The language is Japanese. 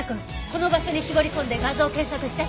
この場所に絞り込んで画像を検索して。